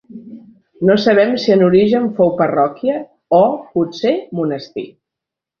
No sabem si en origen fou parròquia o, potser, monestir.